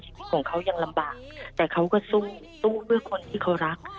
ชีวิตของเขายังลำบากแต่เขาก็สู้สู้เพื่อคนที่เขารัก